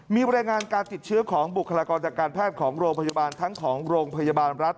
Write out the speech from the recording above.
มีบรรยายงานการติดเชื้อของบุคลากรจากการแพทย์ของโรงพยาบาลทั้งของโรงพยาบาลรัฐ